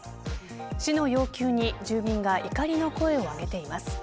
市の要求に住民が怒りの声を上げています。